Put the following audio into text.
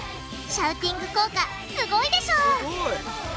シャウティング効果すごいでしょすごい。